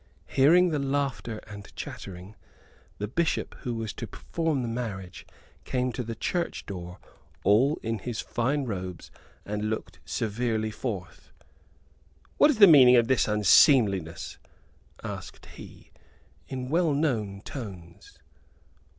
Hearing the laughter and chattering, the Bishop who was to perform the marriage came to the church door all in his fine robes and looked severely forth. "What is the meaning of this unseemliness?" asked he, in well known tones.